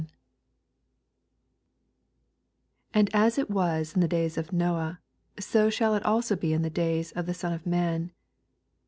26 And as it was in the days of Noe, 80 shall it be also in the days of the Son of man.